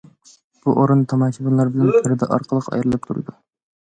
بۇ ئورۇن تاماشىبىنلار بىلەن پەردە ئارقىلىق ئايرىلىپ تۇرىدۇ.